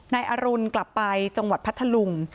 นายอรุณกลับไปจังหวัดพัทธลุง